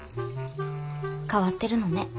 変わってるのね。